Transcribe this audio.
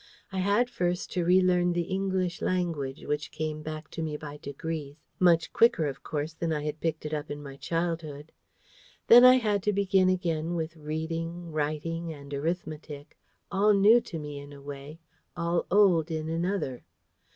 I had first to relearn the English language, which came back to me by degrees, much quicker, of course, than I had picked it up in my childhood. Then I had to begin again with reading, writing, and arithmetic all new to me in a way, and all old in another.